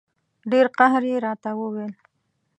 ډېر قهر یې راته وویل.